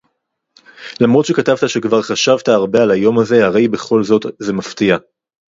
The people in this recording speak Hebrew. לַמָרוּת שֶכָּתַבְתָ שֶכְּבָר חָשַבְתָ הַרְבֵּה עַל הַיוֹם הָזָה, הֲרֵי בְּכָול זֹאת זֶה מַפְתִיעַ